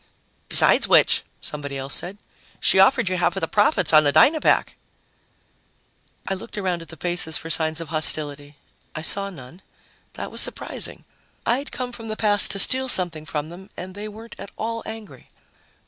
"Besides which," somebody else said, "she offered you half of the profits on the Dynapack." I looked around at the faces for signs of hostility. I saw none. That was surprising. I'd come from the past to steal something from them and they weren't at all angry.